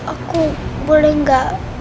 aku boleh nggak